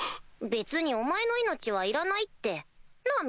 別にお前の命はいらないって。なぁ？